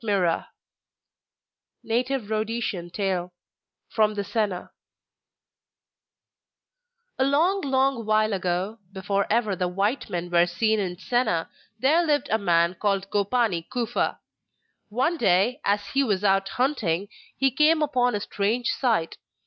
[Native Rhodesian Tale.] The Magic Mirror From the Senna A long, long while ago, before ever the White Men were seen in Senna, there lived a man called Gopani Kufa. One day, as he was out hunting, he came upon a strange sight.